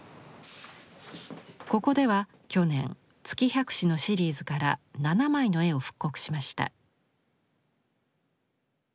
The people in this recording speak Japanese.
ここでは去年「月百姿」のシリーズから７枚の絵を復刻しました。